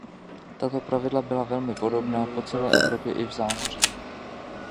Tato pravidla byla velmi podobná po celé Evropě i v zámoří.